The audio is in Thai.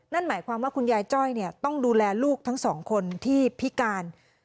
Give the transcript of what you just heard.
นั่นหมายความว่าคุณยายจ้อยต้องดูแลลูกทั้งสองคนที่พิการ